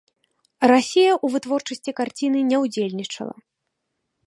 Расія ў вытворчасці карціны не ўдзельнічала.